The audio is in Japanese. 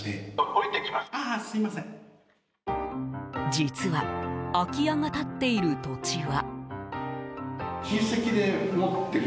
実は空き家が建っている土地は。